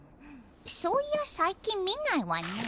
そういや最近見ないわね。